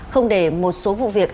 không để một số vụ việc